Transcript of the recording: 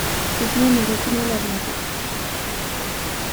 Ez nuen nire kiniela asmatu.